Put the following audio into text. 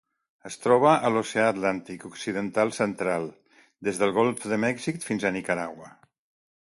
Es troba a l'Oceà Atlàntic occidental central: des del Golf de Mèxic fins a Nicaragua.